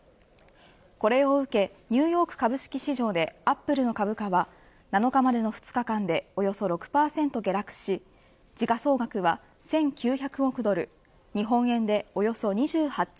これを受けニューヨーク株式市場でアップルの株価は７日までの２日間でおよそ６％下落し時価総額は１９００億ドル日本円でおよそ２８兆